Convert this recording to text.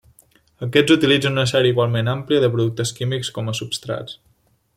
Aquests utilitzen una sèrie igualment àmplia de productes químics com a substrats.